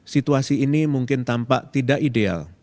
situasi ini mungkin tampak tidak ideal